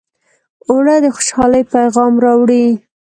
اوړه د خوشحالۍ پیغام راوړي